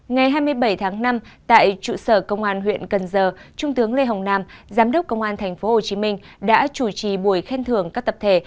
ngày hai mươi bảy tháng năm tại trụ sở công an huyện cần giờ trung tướng lê hồng nam giám đốc công an tp hcm đã chủ trì buổi khen thưởng các tập thể